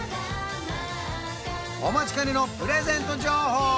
お待ちかねのプレゼント情報